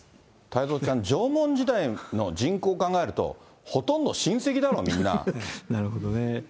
太蔵ちゃん、縄文時代の人口を考えると、ほとんど親戚だろう、なるほどね。